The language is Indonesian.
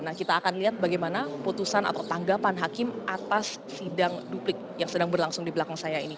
nah kita akan lihat bagaimana putusan atau tanggapan hakim atas sidang duplik yang sedang berlangsung di belakang saya ini